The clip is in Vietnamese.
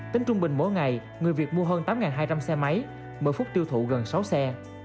tính trung bình mỗi ngày người việt mua hơn tám hai trăm linh xe máy mỗi phút tiêu thụ gần sáu xe